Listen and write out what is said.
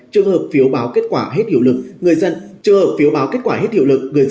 trường hợp phiếu báo kết quả hết hiệu lực người dân bắt buộc phải thực hiện test covid một mươi chín